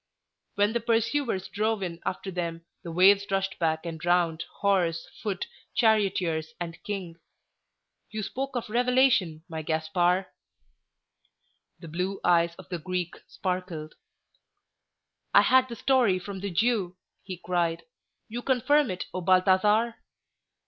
When the pursuers drove in after them, the waves rushed back and drowned horse, foot, charioteers, and king. You spoke of revelation, my Gaspar—" The blue eyes of the Greek sparkled. "I had the story from the Jew," he cried. "You confirm it, O Balthasar!"